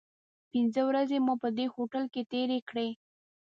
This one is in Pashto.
پنځه ورځې مو په دې هوټل کې تیرې کړې.